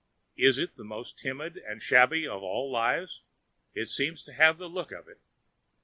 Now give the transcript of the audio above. Is it the most timid and shabby of all lies? It seems to have the look of it.